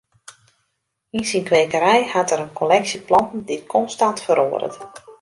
Yn syn kwekerij hat er in kolleksje planten dy't konstant feroaret.